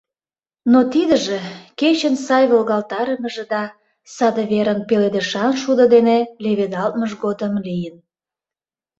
Но тидыже кечын сай волгалтарымыже да саде верын пеледышан шудо дене леведалтмыж годым лийын.